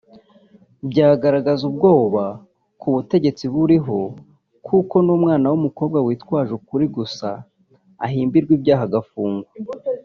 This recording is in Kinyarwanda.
byagaragaza ubwoba ku butegetsi buriho ko n’umwana w’umukobwa witwaje ukuri gusa ahimbirwa ibyaha agafungwa